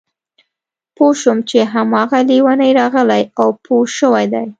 پوه شوم چې هماغه لېونی راغلی او پوه شوی دی